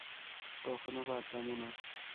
কখনো পারতামও না।